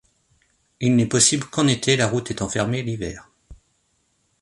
Il n'est possible qu'en été, la route étant fermée l'hiver.